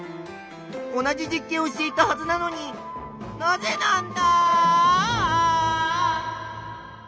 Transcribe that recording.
同じ実験をしていたはずなのになぜなんだ！